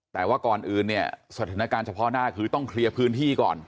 แต่ว่าก่อนอื่นเนี่ยสถานการณ์เฉพาะหน้าคือต้องเคลียร์พื้นที่ก่อน